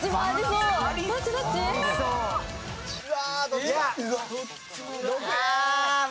うわ！